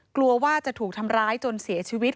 กลัวว่าจะถูกทำร้ายจนเสียชีวิต